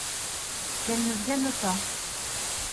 Qu’elles ne viennent pas.